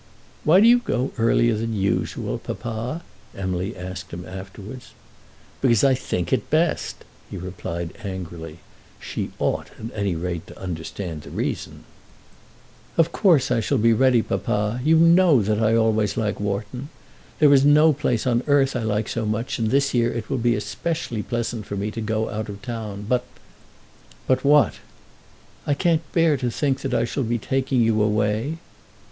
"Why do you go earlier than usual, papa?" Emily asked him afterwards. "Because I think it best," he replied angrily. She ought at any rate to understand the reason. "Of course I shall be ready, papa. You know that I always like Wharton. There is no place on earth I like so much, and this year it will be especially pleasant to me to go out of town. But " "But what?" "I can't bear to think that I shall be taking you away."